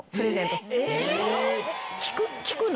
聞くの？